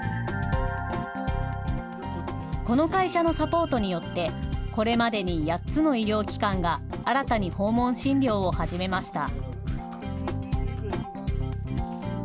この会社のサポートによってこれまでに８つの医療機関が、新たに訪問診療を始めました。